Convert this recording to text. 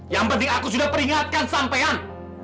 yang penting aku sudah peringatkan sampean